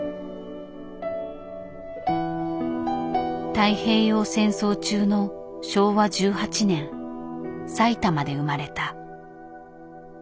太平洋戦争中の昭和１８年埼玉で生まれた。